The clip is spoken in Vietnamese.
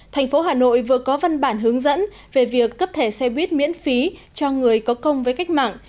thành phố hà nội vừa có văn bản hướng dẫn về việc cấp thẻ xe buýt miễn phí cho người có công với cách mạng